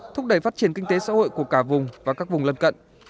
thúc đẩy phát triển kinh tế xã hội của cả vùng và các vùng lân cận